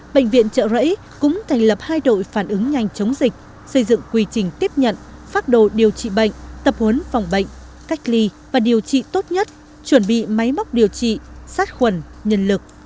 bệnh viện trợ rẫy cũng thành lập hai đội phản ứng nhanh chống dịch xây dựng quy trình tiếp nhận phát đồ điều trị bệnh tập huấn phòng bệnh cách ly và điều trị tốt nhất chuẩn bị máy móc điều trị sát khuẩn nhân lực